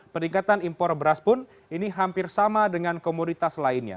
peningkatan impor beras pun ini hampir sama dengan komoditas lainnya